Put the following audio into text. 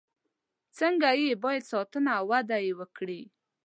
څنګه یې باید ساتنه او وده وکړي.